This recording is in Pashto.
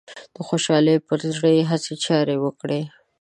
د خوشحال پر زړه يې هسې چارې وکړې